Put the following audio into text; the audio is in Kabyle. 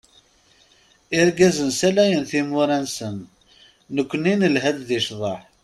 Irgazen salayen timura-nsen, nekkni nelha-d di cḍeḥ.